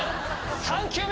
３球目！